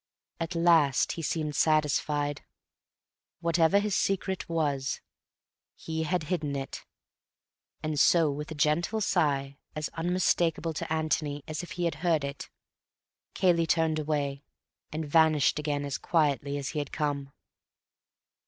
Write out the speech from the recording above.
At last he seemed satisfied. Whatever his secret was, he had hidden it; and so with a gentle sigh, as unmistakable to Antony as if he had heard it, Cayley turned away and vanished again as quietly as he had come.